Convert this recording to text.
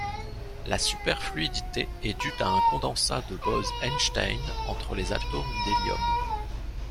La superfluidité est due à un condensat de Bose-Einstein entre les atomes d'hélium.